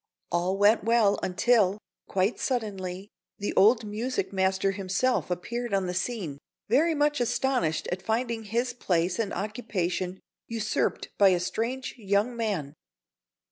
All went well until, quite suddenly, the old music master himself appeared on the scene, very much astonished at finding his place and occupation usurped by a strange young man.